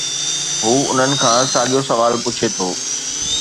هو انهن کان ساڳيو سوال پڇي ٿو